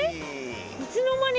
えっいつの間に？